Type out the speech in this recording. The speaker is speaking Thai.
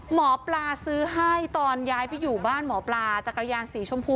หมอปลาซื้อให้ตอนย้ายไปอยู่บ้านหมอปลาจักรยานสีชมพู